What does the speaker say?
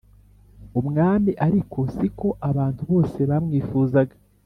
umwami Ariko si ko abantu bose bamwifuzaga